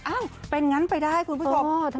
อ้าวเป็นอย่างนั้นไปได้คุณผู้ชม